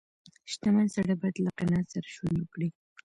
• شتمن سړی باید له قناعت سره ژوند وکړي.